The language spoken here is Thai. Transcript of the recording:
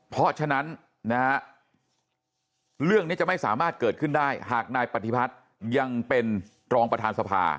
เพราะฉะนั้นนะฮะเรื่องนี้จะไม่สามารถเกิดขึ้นได้หากนายปฏิพัฒน์ยังเป็นรองประธานสภา